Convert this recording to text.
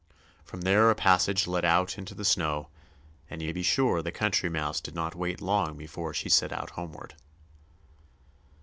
From there a passage led out into the snow, and you may be sure the Country Mouse did not wait long before she set out homeward.